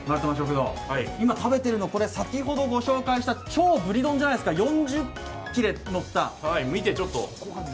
今食べているのは先ほどご紹介した超ぶり丼じゃないですか、４０切れのった。